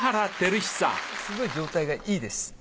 すごい状態がいいです。